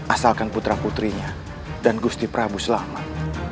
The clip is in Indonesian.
asalkan putra putrinya dan gusti prabu selamat